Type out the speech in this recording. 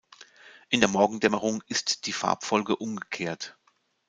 In der Morgendämmerung ist die Farbfolge umgekehrt.